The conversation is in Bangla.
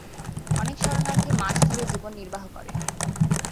অনেক শরণার্থী মাছ ধরে জীবন নির্বাহ করে।